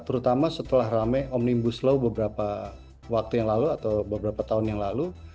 terutama setelah rame omnibus law beberapa waktu yang lalu atau beberapa tahun yang lalu